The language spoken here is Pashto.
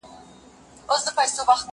زه به اوږده موده لوبه کړې وم؟